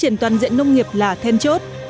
nông nghiệp là thêm chốt